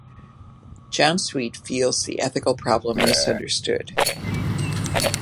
John Sweet feels the ethical problem misunderstood.